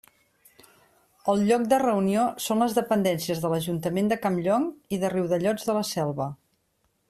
El lloc de reunió són les dependències de l'Ajuntament de Campllong i de Riudellots de la Selva.